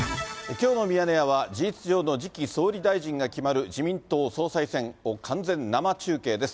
きょうのミヤネ屋は、事実上の次期総理大臣が決まる自民党総裁選を完全生中継です。